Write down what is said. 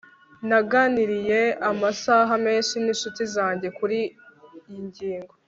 naganiriye amasaha menshi ninshuti zanjye kuriyi ngingo